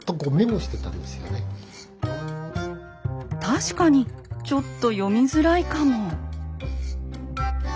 確かにちょっと読みづらいかも。